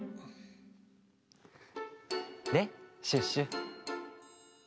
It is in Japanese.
ねっシュッシュ。